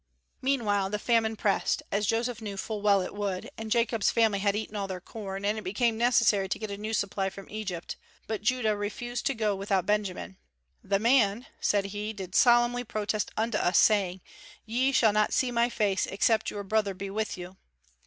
Meanwhile the famine pressed, as Joseph knew full well it would, and Jacob's family had eaten all their corn, and it became necessary to get a new supply from Egypt. But Judah refused to go without Benjamin. "The man," said he, "did solemnly protest unto us, saying, Ye shall not see my face, except your brother be with you."